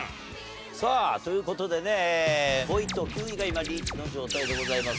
さあという事でね５位と９位が今リーチの状態でございますが。